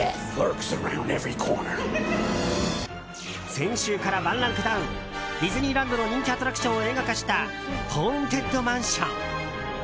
先週から１ランクダウンディズニーランドの人気アトラクションを映画化した「ホーンテッドマンション」。